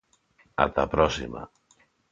Ata a próxima.